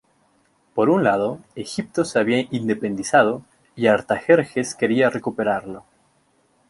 Por un lado, Egipto se había independizado y Artajerjes quería recuperarlo.